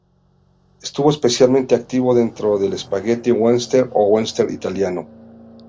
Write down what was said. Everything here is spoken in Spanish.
Estuvo especialmente activo dentro del spaghetti western o western italiano.